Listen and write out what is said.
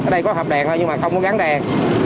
ở đây có hộp đèn thôi nhưng mà không có gắn đèn